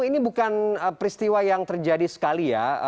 ini bukan peristiwa yang terjadi sekali ya